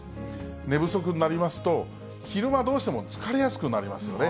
寝不足になりますと、昼間、どうしても疲れやすくなりますよね。